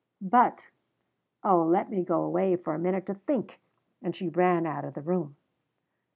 But oh, let me go away for a minute to think!" And she ran out of the room.